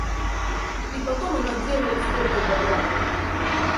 И потом она делает столько добра!